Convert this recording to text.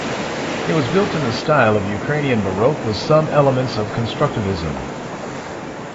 It was built in the style of Ukrainian Baroque with some elements of Constructivism.